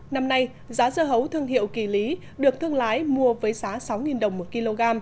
năm nay giá dưa hấu thương hiệu kỳ lý được thương lái mua với giá sáu đồng một kg